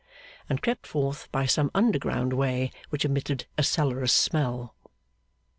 and crept forth by some underground way which emitted a cellarous smell.